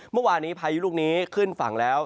เมื่อวานนี้พายุลูกนี้ขึ้นฝั่งแล้ว